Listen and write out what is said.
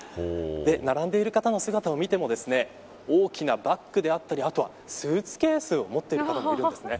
並んでいる方の姿を見ても大きなバッグであったりあとはスーツケースを持っている方もいるんですね。